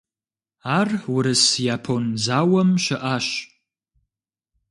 Ар Урыс-Япон зауэм щыӏащ.